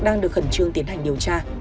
đang được khẩn trương tiến hành điều tra